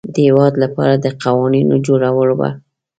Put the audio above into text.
د هیواد لپاره د قوانینو جوړول وه.